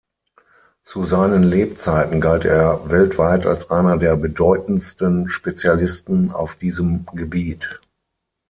Zu seinen Lebzeiten galt er weltweit als einer der bedeutendsten Spezialisten auf diesem Gebiet.